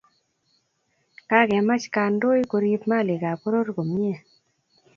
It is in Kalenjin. kakemach kandoi koriip malikap poror komie